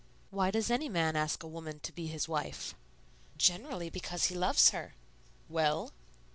"Why does any man ask a woman to be his wife?" "Generally because he loves her." "Well?"